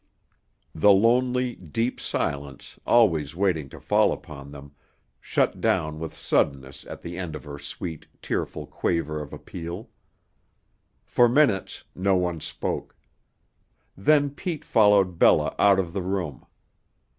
The lonely, deep silence, always waiting to fall upon them, shut down with suddenness at the end of her sweet, tearful quaver of appeal. For minutes no one spoke. Then Pete followed Bella out of the room.